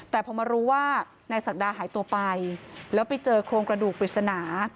แต่พอมารู้ว่านายศักดาหายตัวไปแล้วไปเจอโครงกระดูกปริศนา